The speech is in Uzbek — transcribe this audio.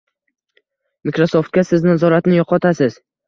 Microsoftga siz nazoratni yoʻqotasiz.